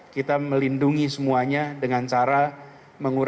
kita melindungi semuanya dengan cara mengurai